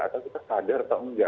atau kita sadar atau enggak